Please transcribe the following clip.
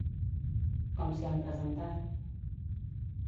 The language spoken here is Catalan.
Com s'hi han presentat?